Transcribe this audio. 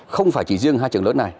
không phải chỉ riêng hai trường lớn này